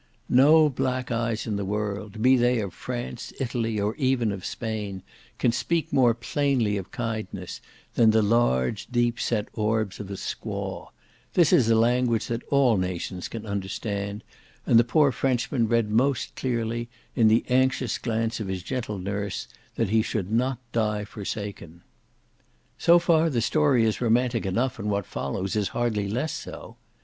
No black eyes in the world, be they of France, Italy, or even of Spain, can speak more plainly of kindness, than the large deep set orbs of a squaw; this is a language that all nations can understand, and the poor Frenchman read most clearly, in the anxious glance of his gentle nurse, that he should not die forsaken. So far the story is romantic enough, and what follows is hardly less so.